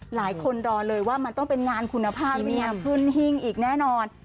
หลายคนรอเลยว่ามันต้องเป็นงานคุณภาพพรุ่นหิ้งอีกแน่นอน